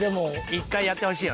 一回やってほしいよね。